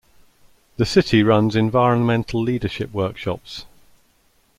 The city runs environmental leadership workshops.